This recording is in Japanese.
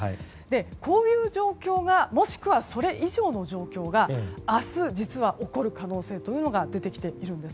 こういう状況がもしくはそれ以上の状況が実は明日、起こる可能性が出てきているんです。